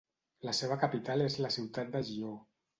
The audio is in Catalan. La seva capital és la ciutat de Győr.